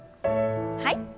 はい。